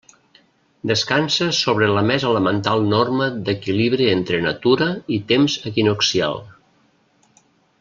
Descansa sobre la més elemental norma d'equilibri entre natura i temps equinoccial.